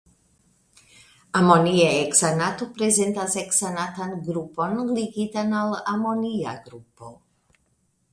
Amonia heksanato prezentas heksanatan grupon ligitan al amonia grupo.